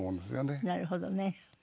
なるほどね。